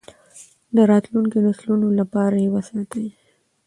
د راتلونکو نسلونو لپاره یې وساتئ.